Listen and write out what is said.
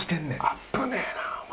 危ねえなお前！